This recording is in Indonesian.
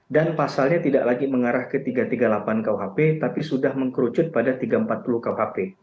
dan pasalnya tidak lagi mengarah ke tiga ratus tiga puluh delapan khp tapi sudah mengkerucut pada tiga ratus empat puluh khp